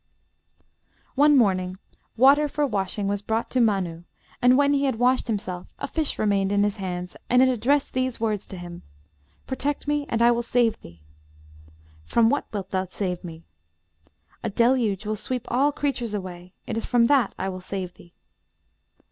"One morning water for washing was brought to Mann, and when he had washed himself a fish remained in his hands, and it addressed these words to him: 'Protect me, and I will save thee.' 'From what wilt thou save me?' 'A deluge will sweep all creatures away; it is from that I will save thee.'